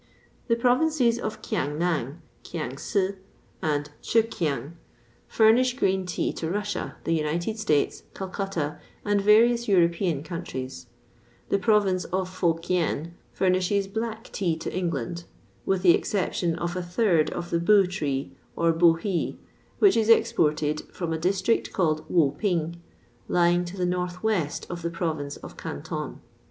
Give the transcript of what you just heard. The provinces of Kiang Nang, Kiang Si, and Che Kiang, furnish green tea to Russia, the United States, Calcutta, and various European countries; the province of Fo Kien furnishes black tea to England, with the exception of a third of the boo tea, or bohee, which is exported from a district called Wo Ping, lying to the north west of the province of Canton.